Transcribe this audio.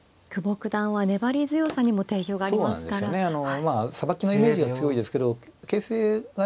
まあさばきのイメージが強いですけど形勢がね